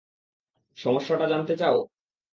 সমস্যাটা জানতে চাও?